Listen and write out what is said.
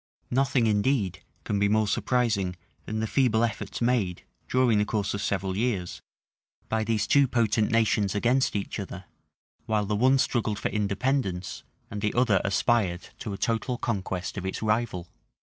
Nothing, indeed, can be more surprising than the feeble efforts made, during the course of several years, by these two potent nations against each other while the one struggled for independence, and the other aspired to a total conquest of its rival.